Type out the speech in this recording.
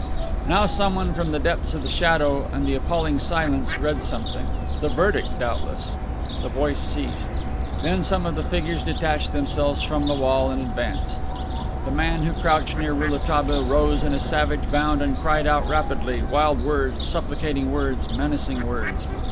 Now someone from the depths of the shadow and the appalling silence read something; the verdict, doubtless. The voice ceased. Then some of the figures detached themselves from the wall and advanced. The man who crouched near Rouletabille rose in a savage bound and cried out rapidly, wild words, supplicating words, menacing words.